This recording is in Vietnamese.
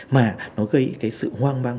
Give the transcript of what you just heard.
mà nó gây cái sự hoang vang